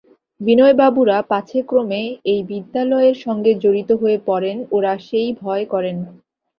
বিনয়বাবুরা পাছে ক্রমে এই বিদ্যালয়ের সঙ্গে জড়িত হয়ে পড়েন ওঁরা সেই ভয় করেন।